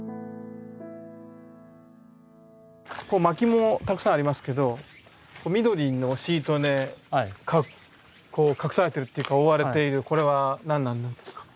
薪もたくさんありますけど緑のシートで隠されているっていうか覆われているこれは何なんですか？